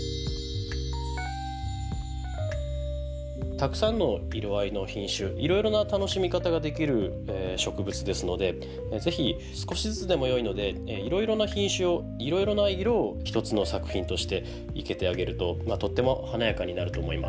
たくさんの色合いの品種いろいろな楽しみ方ができる植物ですので是非少しずつでもよいのでいろいろな品種をいろいろな色を一つの作品として生けてあげるととっても華やかになると思います。